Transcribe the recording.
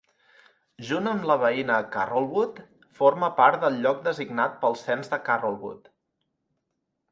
Junt amb la veïna Carrollwood, forma part del lloc designat pel cens de Carrollwood.